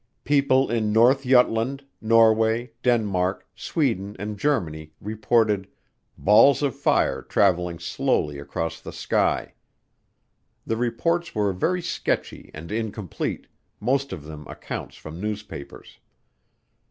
People in North Jutland, Norway, Denmark, Sweden, and Germany reported "balls of fire traveling slowly across the sky." The reports were very sketchy and incomplete, most of them accounts from newspapers.